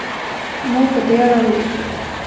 ما په دې اړه ولیکل.